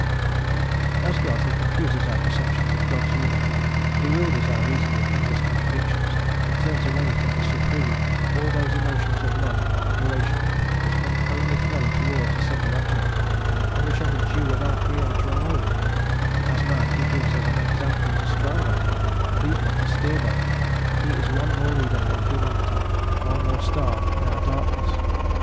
As God, he confuses our perceptions of God's unity, bewilders our reason with endless contradictions, and turns away from the Supreme all those emotions of love and adoration which can only flow towards a single object, and which are the due of our Creator alone: as man, he gives us an example to strive after, a beacon to steer by; he is one more leader for humanity, one more star in our darkness.